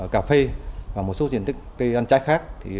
cà phê và một số diện tích cây ăn trái khác